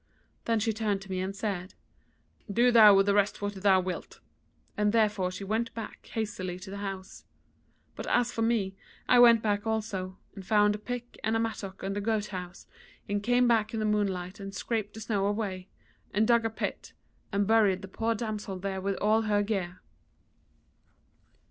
Then she turned to me and said: 'Do thou with the rest what thou wilt,' and therewith she went back hastily to the house. But as for me, I went back also, and found a pick and a mattock in the goat house, and came back in the moonlight and scraped the snow away, and dug a pit, and buried the poor damsel there with all her gear.